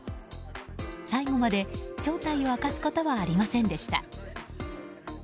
最後まで正体を明かすことはありませんでした。